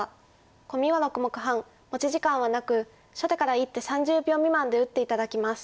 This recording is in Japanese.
コミは６目半持ち時間はなく初手から１手３０秒未満で打って頂きます。